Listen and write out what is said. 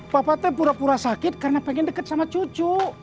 papa tuh pura pura sakit karena pengen deket sama cucu